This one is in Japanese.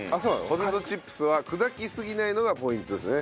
ポテトチップスは砕きすぎないのがポイントですね。